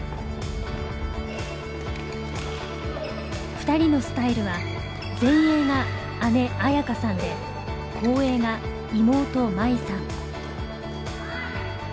２人のスタイルは前衛が姉紋可さんで後衛が妹真衣さん。